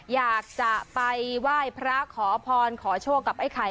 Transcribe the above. อยากจะไปไหว้พระขอพรขอโชคกับไอ้ไข่